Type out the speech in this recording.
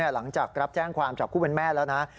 หลังจากรับแจ้งความจากผู้เป็นแม่แล้วนะ